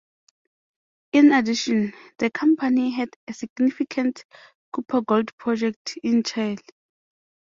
In addition, the Company had a significant copper-gold project in Chile.